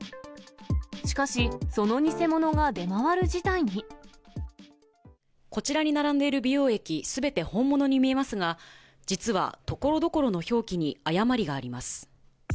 しかし、こちらに並んでいる美容液、すべて本物に見えますが、実はところどころの表記に誤りがあります。